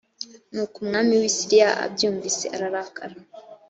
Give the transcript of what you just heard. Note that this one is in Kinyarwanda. nuko umwami w’i siriya abyumvise ararakara